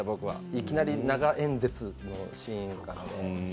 いきなり長演説のシーンで。